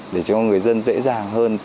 để cho người dân dễ dàng hơn